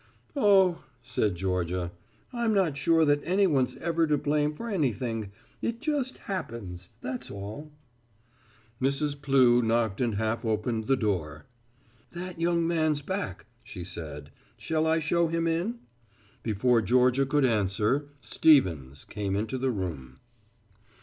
"Oh," said Georgia, "I'm not sure that anyone's ever to blame for anything. It just happens, that's all." Mrs. Plew knocked and half opened the door. "That young man's back," she said, "shall I show him in?" Before Georgia could answer Stevens came into the room.